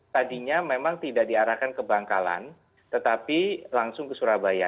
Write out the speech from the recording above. tadinya memang tidak diarahkan ke bangkalan tetapi langsung ke surabaya